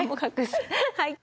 はい。